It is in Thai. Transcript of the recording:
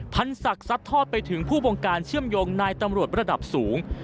ศักดิ์ซัดทอดไปถึงผู้บงการเชื่อมโยงนายตำรวจระดับสูง